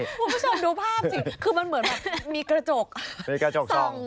ผู้ชมดูภาพสิคือมันเหมือนแบบมีกระจกส่อง